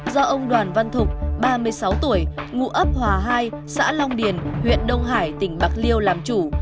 do ông đoàn văn thục ba mươi sáu tuổi ngụ ấp hòa hai xã long điền huyện đông hải tỉnh bạc liêu làm chủ